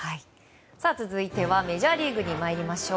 続いてはメジャーリーグに参りましょう。